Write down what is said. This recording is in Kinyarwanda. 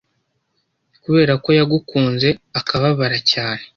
kubera ko yagukunze akababara cyane